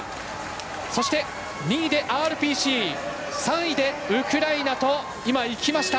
そして２位でＲＰＣ３位、ウクライナと今いきました。